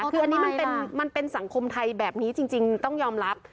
คืออันนี้มันเป็นสังคมไทยแบบนี้จริงต้องยอมรับ